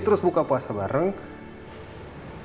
terus buka puasa bareng